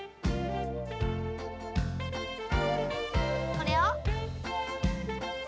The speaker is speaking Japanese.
これを。